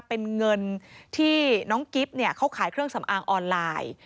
เป็นเงินที่น้องกิ๊บเขาขายเครื่องสำอางออนไลน์